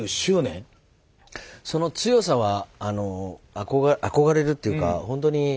その強さは憧れるっていうかほんとに。